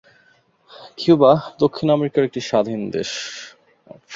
Cuba দক্ষিণ আমেরিকার একটি স্বাধীন দেশ।